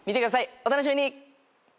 お楽しみに！